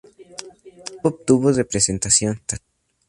Tampoco obtuvo representación.